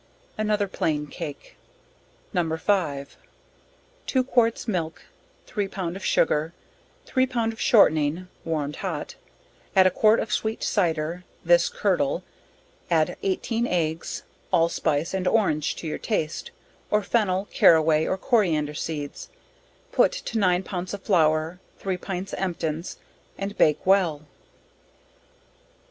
Another Plain cake. No. 5. Two quarts milk, 3 pound of sugar, 3 pound of shortning, warmed hot, add a quart of sweet cyder, this curdle, add 18 eggs, allspice and orange to your taste, or fennel, carroway or coriander seeds; put to 9 pounds of flour, 3 pints emptins, and bake well.